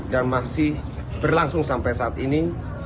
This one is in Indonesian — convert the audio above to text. dan masih berlangsung sampai saat ini